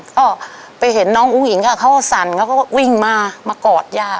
ก็ไปเห็นน้องอุ้งอิ๋งเขาสั่นเขาก็วิ่งมากอดย่า